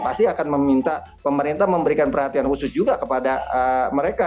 pasti akan meminta pemerintah memberikan perhatian khusus juga kepada mereka